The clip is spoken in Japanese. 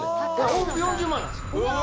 往復４０万なんです。